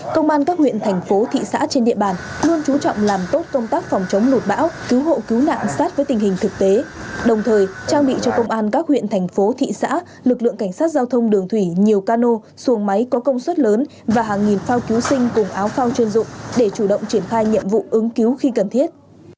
công an các huyện thành phố thị xã trên địa bàn luôn trú trọng làm tốt công tác phòng chống lụt bão cứu hộ cứu nạn sát với tình hình thực tế đồng thời trang bị cho công an các huyện thành phố thị xã lực lượng cảnh sát giao thông đường thủy nhiều cano xuồng máy có công suất lớn và hàng nghìn phao cứu sinh cùng áo phao chuyên dụng để chủ động triển khai nhiệm vụ ứng cứu khi cần thiết